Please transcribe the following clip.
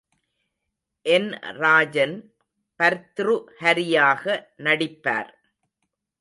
என் ராஜன் பர்த்ருஹரியாக நடிப்பார்.